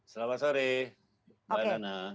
selamat sore bang nana